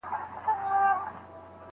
هغه اوږده پاڼه ډنډ ته نه ده وړې.